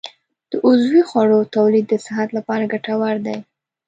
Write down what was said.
د عضوي خوړو تولید د صحت لپاره ګټور دی.